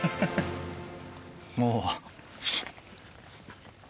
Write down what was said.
もう。